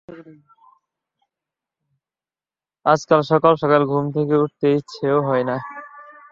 আজকাল সকাল সকাল ঘুম থেকে উঠতে ইচ্ছেও হয় না।